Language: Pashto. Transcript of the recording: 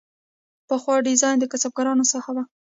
پخوا ډیزاین د کسبکارانو ساحه وه.